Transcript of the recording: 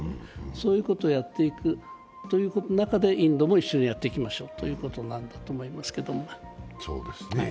そういうことをやっていく中でインドも一緒にやっていきましょうということなんだと思いますけど。